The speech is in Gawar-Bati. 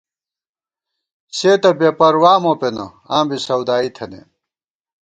سے تہ بېپروا مو پېنہ آں بی سَودائی تھنَئیم